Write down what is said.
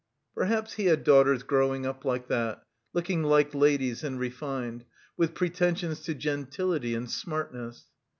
Perhaps he had daughters growing up like that, "looking like ladies and refined" with pretensions to gentility and smartness....